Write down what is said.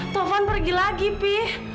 jangan pergi lagi pi